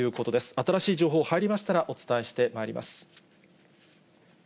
新しい情報、入りましたら、お伝えしてまいります。